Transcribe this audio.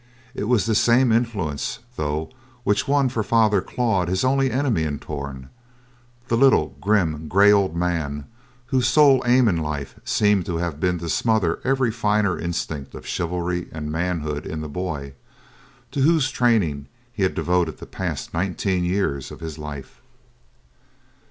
It was this same influence, though, which won for Father Claude his only enemy in Torn; the little, grim, gray, old man whose sole aim in life seemed to have been to smother every finer instinct of chivalry and manhood in the boy, to whose training he had devoted the past nineteen years of his life.